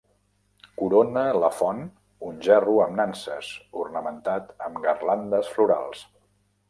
Corona la font un gerro amb nanses, ornamentat amb garlandes florals.